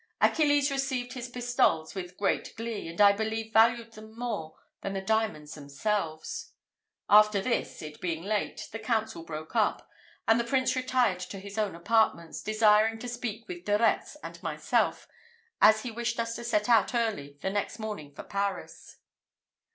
Achilles received his pistoles with great glee, and I believe valued them more than the diamonds themselves. After this, it being late, the council broke up, and the Prince retired to his own apartments, desiring to speak with De Retz and myself, as he wished us to set out early the next morning for Paris.